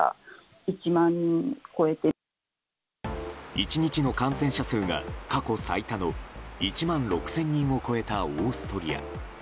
１日の感染者数が過去最多の１万６０００人を超えたオーストリア。